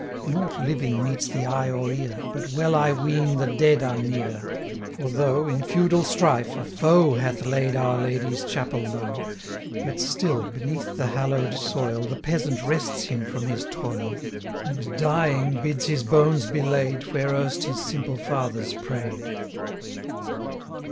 Nought living meets the eye or ear, But well I ween the dead are near; 175 For though, in feudal strife, a foe Hath laid Our Lady's chapel low, Yet still, beneath the hallow'd soil, The peasant rests him from his toil, And, dying, bids his bones be laid, 180 Where erst his simple fathers pray'd.